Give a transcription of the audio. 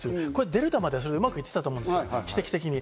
デルタまでうまくいってたと思うんです、奇跡的に。